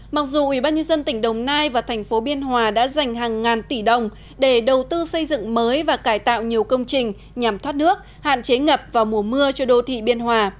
mặc dù ubnd tỉnh đồng nai và thành phố biên hòa đã dành hàng ngàn tỷ đồng để đầu tư xây dựng mới và cải tạo nhiều công trình nhằm thoát nước hạn chế ngập vào mùa mưa cho đô thị biên hòa